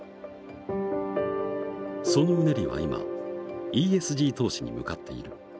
そのうねりは今ＥＳＧ投資に向かっている。